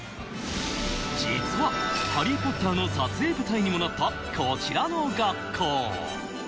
実は『ハリー・ポッター』の撮影舞台にもなった、こちらの学校。